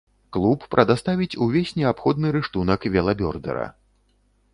Клуб прадаставіць увесь неабходны рыштунак велабёрдэра.